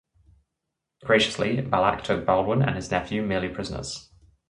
Graciously, Balac took Baldwin and his nephew merely prisoners.